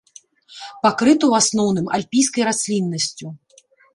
Пакрыта ў асноўным альпійскай расліннасцю.